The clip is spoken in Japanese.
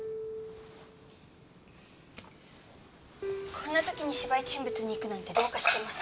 こんな時に芝居見物に行くなんてどうかしてます。